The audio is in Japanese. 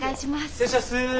失礼します。